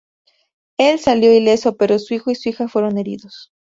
Él salió ileso, pero su hijo y su hija fueron heridos.